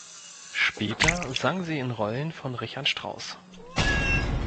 Später sang sie in Rollen von Richard Strauss.